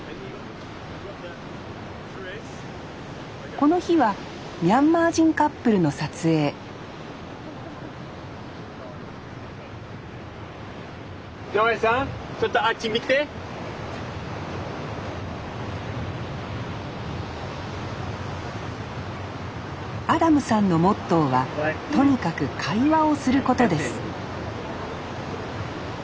この日はミャンマー人カップルの撮影アダムさんのモットーはとにかく会話をすることです